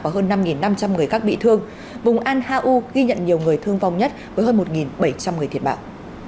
và hơn năm năm trăm linh người các bị thương vùng an hau ghi nhận nhiều người thương vong nhất với hơn một bảy trăm linh người thiệt mạng